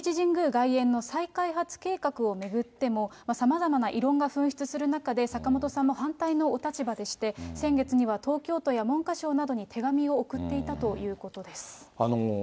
外苑の再開発計画を巡っても、さまざまな異論が噴出する中で、坂本さんも反対のお立場でして、先月には東京都や文科省などに手紙を送っていたということです。